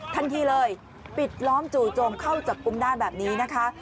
ทันทีเลยปิดล้อมจู่โจมเข้าจับกลุ่มได้แบบนี้นะคะ